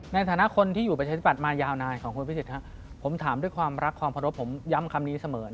ในฐานะคนที่อยู่ประชาธิบัตย์มายาวนานของคุณพิสิทธิ์ผมถามด้วยความรักความเคารพผมย้ำคำนี้เสมอ